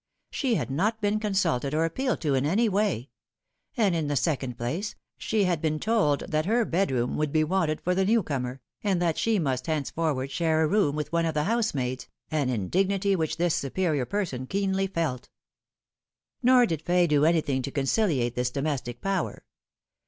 She had not been consulted or appealed to in any way ; and, iu the second place, she had been told that her bedroom would be wanted for the new comer, and that she mast henceforward share a room with one of the housemaids, an indignity which this superior person keenly felt. Nor did Fay do anything to conciliate this domestic power.